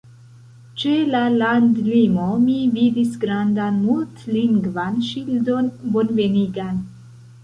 Ĉe la landlimo, mi vidis grandan mult-lingvan ŝildon bonvenigan.